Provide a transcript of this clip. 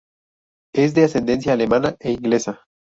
Es de ascendencia alemana e inglesa.